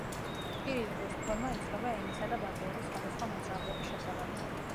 პირის ღრუს ფორმა იცვლება ენისა და ბაგეების სხვადასხვა მოძრაობების შესაბამისად.